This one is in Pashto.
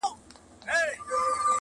نیکه جانه د جانان غمو خراب کړم؛